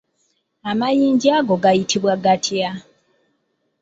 Amayinja ago gayitibwa gatya?